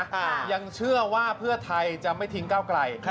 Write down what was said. ก็ยังเชื่อนะยังเชื่อว่าเพื่อไทยจะไม่ทิ้งก้าวไกล